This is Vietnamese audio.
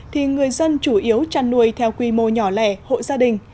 thì người dân chủ yếu trăn nuôi theo quy mô nhỏ lẻ hộ gia đình